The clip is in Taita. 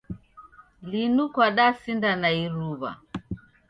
Linu kwadasinda na iruw'a.